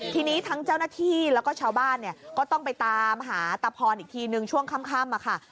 ทีนี้ทั้งเจ้าหน้าที่แล้วก็ชาวบ้านเนี่ยก็ต้องไปตามหาตะพรอีกทีนึงช่วงค่ำค่ะ